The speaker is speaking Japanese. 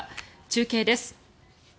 中継です。